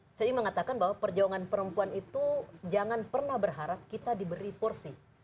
saya ingin mengatakan bahwa perjuangan perempuan itu jangan pernah berharap kita diberi porsi